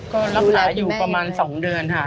ก็รักษาอยู่ประมาณ๒เดือนค่ะ